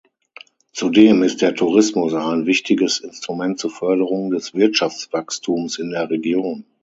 Zudem ist der Tourismus ein wichtiges Instrument zur Förderung des Wirtschaftswachstums in der Region.